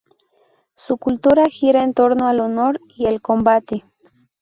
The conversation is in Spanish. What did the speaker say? Su cultura gira en torno al honor y el combate.